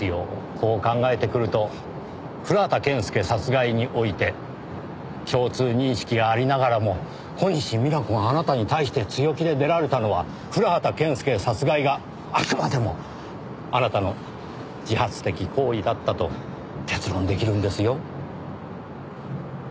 こう考えてくると古畑健介殺害において共通認識がありながらも小西皆子があなたに対して強気で出られたのは古畑健介殺害があくまでもあなたの自発的行為だったと結論出来るんですよ。